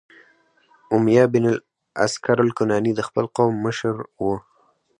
امیة بن الاسکر الکناني د خپل قوم مشر و،